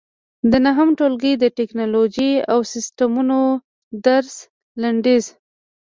د نهم ټولګي د ټېکنالوجۍ او سیسټمونو درس لنډیز